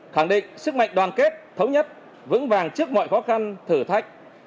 khẳng định sức mạnh đoàn kết thống nhất vững vàng trước mọi khó khăn thử thách